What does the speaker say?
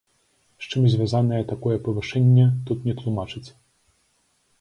З чым звязанае такое павышэнне, тут не тлумачаць.